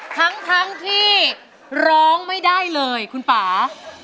ทั้งที่ร้องไม่ได้เลยคุณป่า